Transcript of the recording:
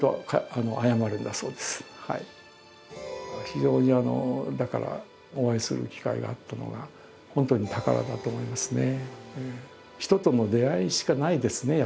非常にあのだからお会いする機会があったのが本当に宝だと思いますね。